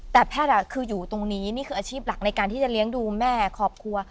แต่แพทย์คืออยู่ตรงนี้นี่คืออาชีพหลักในการที่จะเลี้ยงดูแม่ครอบครัว